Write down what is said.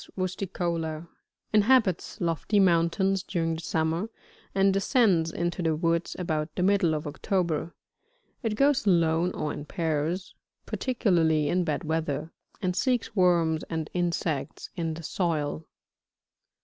The Common Woodcock of Europe, ^ Scofopax rusticola, — inhabits lofty mountains during the summer, and descends into the woods about the middle of October ; it goes alone or in pairs, particularly in bad weather, and seeks worms and insects in the soil.